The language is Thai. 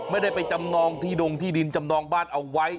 ไม่ได้ไปจำนองที่ดงที่ดินจำนองบ้านเอาไว้